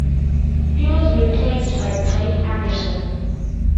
He was replaced by Blake Anderson.